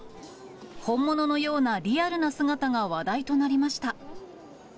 本物のようなリアルな姿が話題となりました。